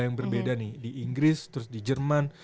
yang berbeda nih di inggris terus di jerman